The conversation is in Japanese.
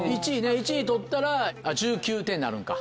１位取ったら１９点になるんか。